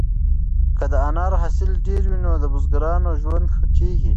که د انار حاصل ډېر وي نو د بزګرانو ژوند ښه کیږي.